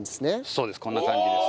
そうですこんな感じです。